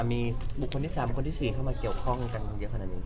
มีบุคคลที่๓คนที่๔เข้ามาเกี่ยวข้องกันเยอะขนาดนี้